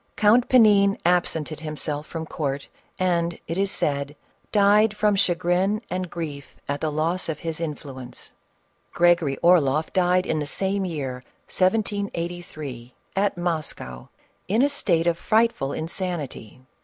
Count Panin absented himself from court, and, it is said, died from chagrin and grief at the loss of his influence. Gregory Orloff died in the , CATHERINK OF RUSSIA. 427 same year, 1783, at Moscow, in a state of frightful in sanity.